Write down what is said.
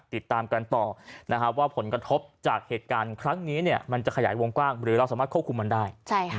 ติดตามกันต่อว่าผลกระทบจากเหตุการณ์ครั้งนี้มันจะขยายวงกว้างหรือเราสามารถควบคุมมันได้